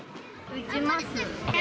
打ちます。